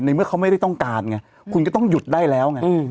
เมื่อเขาไม่ได้ต้องการไงคุณก็ต้องหยุดได้แล้วไง